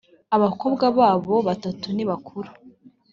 abakobwa babo batatu nibakuru.